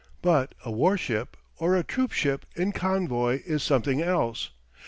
But a war ship, or a troop ship in convoy is something else.